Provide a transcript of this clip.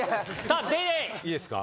いいですか。